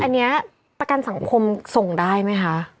อันนี้ประกันสังคมส่งได้ไหมคะ